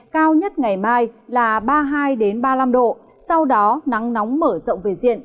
cao nhất ngày mai là ba mươi hai ba mươi năm độ sau đó nắng nóng mở rộng về diện